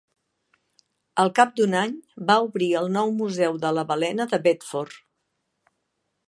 Al cap d'un any, va obrir el Nou Museu de la Balena de Bedford.